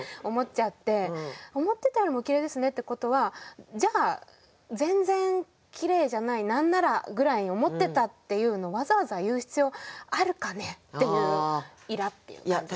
「思ってたよりもお綺麗ですね」ってことはじゃあ「全然綺麗じゃないなんなら」ぐらいに思ってたっていうのわざわざ言う必要あるかねっていうイラッていう感じですかね。